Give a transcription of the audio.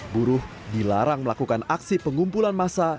buruh dilarang melakukan aksi pengumpulan massa